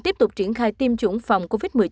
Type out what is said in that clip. tiếp tục triển khai tiêm chủng phòng covid một mươi chín